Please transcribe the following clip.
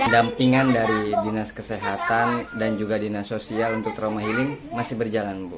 dampingan dari dinas kesehatan dan juga dinas sosial untuk trauma healing masih berjalan bu